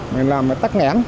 mình làm tắt ngán